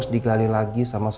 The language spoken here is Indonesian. apa apa ketprofit sebenarnya